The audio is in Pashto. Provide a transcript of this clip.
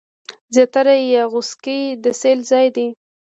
زیارت یا غوڅکۍ د سېل ځای دی.